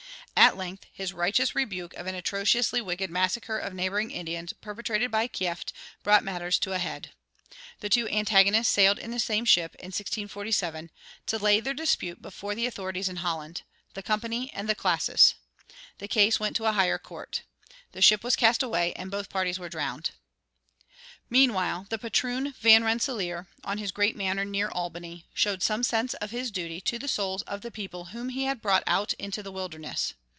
At length his righteous rebuke of an atrociously wicked massacre of neighboring Indians perpetrated by Kieft brought matters to a head. The two antagonists sailed in the same ship, in 1647, to lay their dispute before the authorities in Holland, the Company and the classis. The case went to a higher court. The ship was cast away and both the parties were drowned. Meanwhile the patroon Van Rensselaer, on his great manor near Albany, showed some sense of his duty to the souls of the people whom he had brought out into the wilderness.